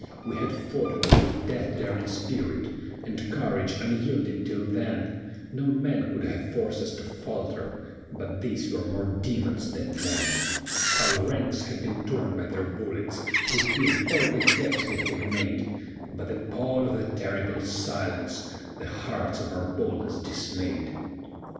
"We had fought them with death daring spirit, And courage unyielding till then; No man could have forced us to falter, But these were more demons than men. Our ranks had been torn by their bullets, We filled all the gaps they had made; But the pall of that terrible silence The hearts of our boldest dismayed.